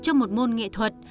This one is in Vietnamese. cho một môn nghệ thuật